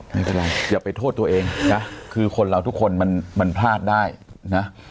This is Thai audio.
ไม่เป็นไรอย่าไปโทษตัวเองนะคือคนเราทุกคนมันพลาดได้นะ